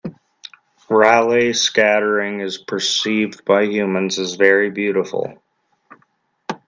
Raleigh scattering is perceived by humans as very beautiful.